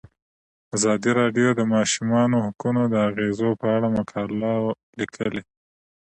ازادي راډیو د د ماشومانو حقونه د اغیزو په اړه مقالو لیکلي.